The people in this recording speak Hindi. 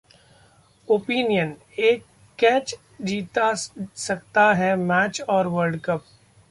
Opinion: एक कैच जिता सकता है मैच और वर्ल्ड कप